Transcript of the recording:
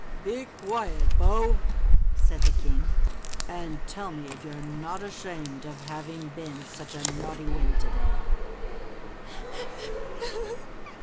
Be quiet. Bo !" said the king, and tell me if you're not ashamed of having been such a naughty wind to day?"